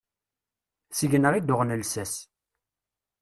Seg-neɣ i d-uɣen llsas.